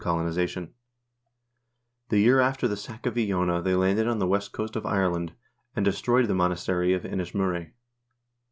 Charles Oman, THE VIKING PERIOD 47 sack of Iona they landed on the west coast of Ireland, and destroyed the monastery of Innishmurray.